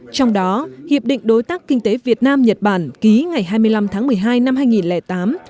trong đó hiệp định đối tác kinh tế việt nam nhật bản ký ngày hai mươi năm tháng một mươi hai năm hai nghìn tám